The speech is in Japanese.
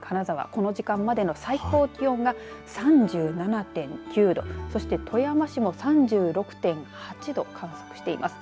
この時間までの最高気温が３７．９度そして富山市も３６．８度観測しています。